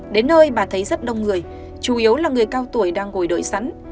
đến nơi bà thấy rất đông người chủ yếu là người cao tuổi đang ngồi đợi sẵn